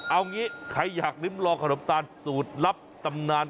เอางี้ใครอยากลิ้มลองขนมตาลสูตรลับตำนาน